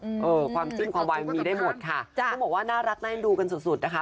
เออความจิ้นความวายมีได้หมดค่ะเขาบอกว่าน่ารักแน่นดูกันสุดสุดนะคะ